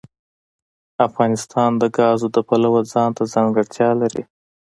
افغانستان د ګاز د پلوه ځانته ځانګړتیا لري.